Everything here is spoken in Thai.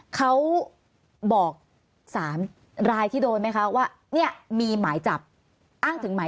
เขาบอก๓รายที่โดนไหมคะว่าเนี่ยมีหมายจับอ้างถึงหมาย